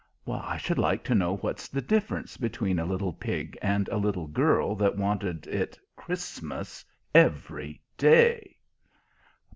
"I should like to know what's the difference between a little pig and a little girl that wanted it Christmas every day!"